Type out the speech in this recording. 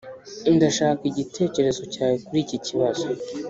ndashaka igitekerezo cyawe kuri iki kibazo.